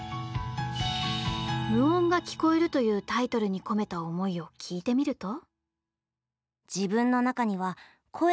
「無音が聴こえる」というタイトルに込めた思いを聞いてみると。